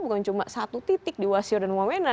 bukan cuma satu titik di wasio dan wawena